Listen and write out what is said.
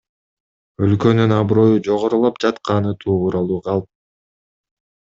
Өлкөнүн аброю жогорулап жатканы тууралуу калп.